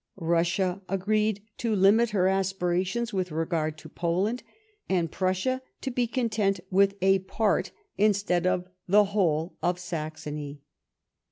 Russia agreed to limit her aspirations with regard to Poland, and Prussia to be content with a part, instead of the whole, of Saxony.